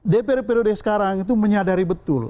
di periode periode sekarang itu menyadari betul